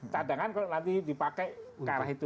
tandangan kalau nanti dipakai karena itu